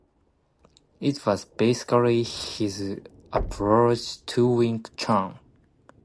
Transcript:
It was basically his approach to Wing Chun.